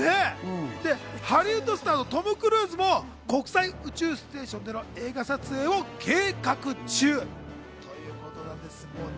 ハリウッドスターのトム・クルーズも国際宇宙ステーションでの映画撮影を計画中ということなんです。